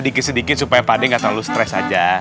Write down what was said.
sedikit sedikit supaya pak d gak terlalu stres aja